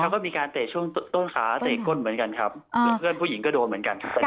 ก็มีการเตะช่วงต้นขาเตะก้นเหมือนกันครับหรือเพื่อนผู้หญิงก็โดนเหมือนกัน